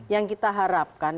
yang kita harapkan